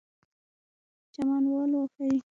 چمن والو آفرین!!